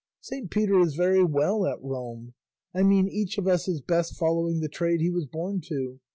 Saint Peter is very well at Rome; I mean each of us is best following the trade he was born to.